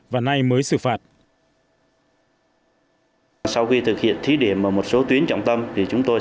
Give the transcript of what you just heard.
và nay mới xử phạt